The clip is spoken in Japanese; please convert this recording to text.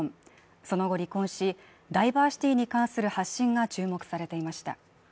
その後離婚し、ダイバーシティに関する発信が注目されていました。